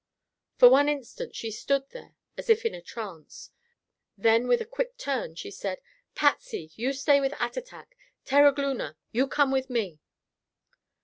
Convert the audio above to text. For one instant she stood there as if in a trance, then with a quick turn she said: "Patsy, you stay with Attatak. Terogloona, you come with me."